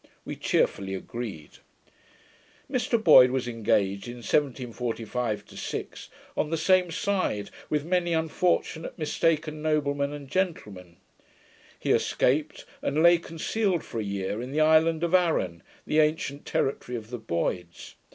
We cheerfully agreed. Mr Boyd was engaged, in 1745 6, on the same side with many unfortunate mistaken noblemen and gentlemen. He escaped, and lay concealed for a year in the island of Arran, the ancient territory of the Boyds.